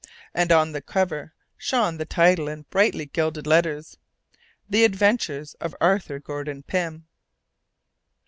And on the cover shone the title in brightly gilded letters: THE ADVENTURES OF ARTHUR GORDON PYM.